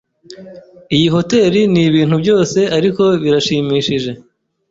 Iyi hoteri nibintu byose ariko birashimishije.